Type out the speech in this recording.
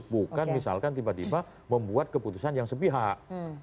bukan misalkan tiba tiba membuat keputusan yang sepihak